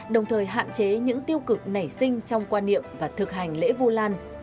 đồng thời hạn chế những tiêu cực nảy sinh trong quan niệm và thực hành lễ vu lan